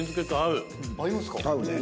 合うね。